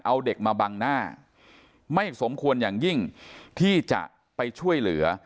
เอาเด็กมาบังหน้าไม่สมควรอย่างยิ่งที่จะไปช่วยเหลือ